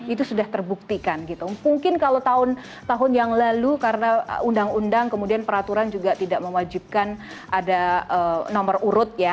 itu sudah terbuktikan gitu mungkin kalau tahun tahun yang lalu karena undang undang kemudian peraturan juga tidak mewajibkan ada nomor urut ya